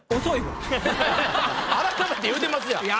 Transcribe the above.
そうですか。